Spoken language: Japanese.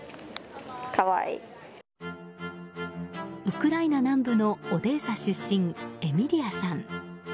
ウクライナ南部のオデーサ出身エミリアさん。